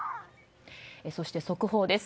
そして速報です。